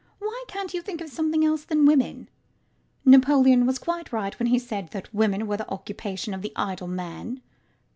Why can't you think of something else than women? Napoleon was quite right when he said that women are the occupation of the idle man.